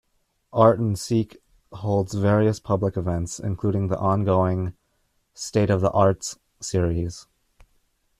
Art&Seek holds various public events including the ongoing "State of The Arts" series.